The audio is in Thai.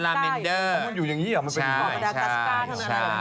กล่องมันอยู่อย่างนี้อ่ะ